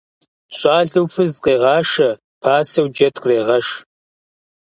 Щӏалэу фыз къегъашэ, пасэу джэд кърегъэш.